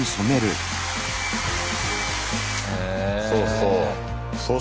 そうそう。